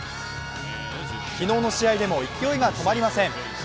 昨日の試合でも勢いが止まりません。